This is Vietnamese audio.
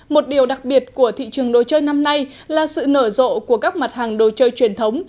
một điều đặc biệt của thị trường đồ chơi năm nay là sự nở rộ của các mặt hàng đồ chơi truyền thống